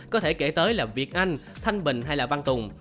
có thể kể tới là việt anh thanh bình hay là văn tùng